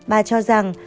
bà cho rằng